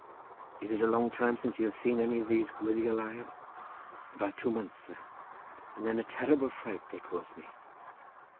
"Is it a long time since you have seen any of these Gwyddeliaid?" "About two months, sir, and then a terrible fright they caused me."